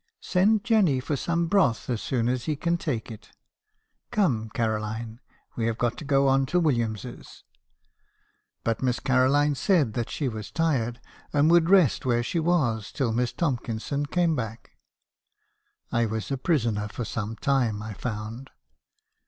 Send Jenny for some broth as soon as he can take it. Come Caroline , we have got to go on to Williams's.' "But Miss Caroline said that she was tired, and would rest where she was till Miss Tomkinson came back. I was a prisoner for some time, I found.